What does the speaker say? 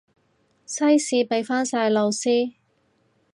西史畀返晒老師